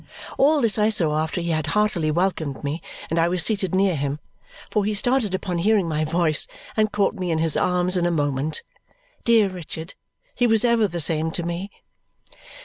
All this I saw after he had heartily welcomed me and I was seated near him, for he started upon hearing my voice and caught me in his arms in a moment. Dear Richard! He was ever the same to me.